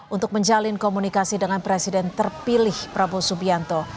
untuk menjalin komunikasi dengan presiden terpilih prabowo subianto